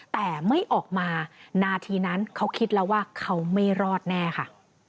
แต่ไม่ออกมานาทีนั้นเขาคิดแล้วว่าเขาไม่รอดแน่ค่ะ